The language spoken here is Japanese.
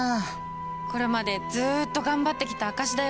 これまでずっと頑張ってきた証しだよ。